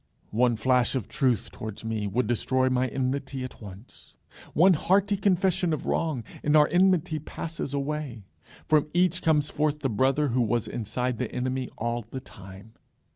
One flash of truth towards me would destroy my enmity at once; one hearty confession of wrong, and our enmity passes away; from each comes forth the brother who was inside the enemy all the time.